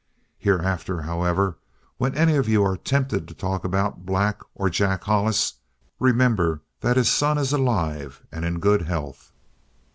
Hereafter, however, when any of you are tempted to talk about Black or Jack Hollis, remember that his son is alive and in good health!"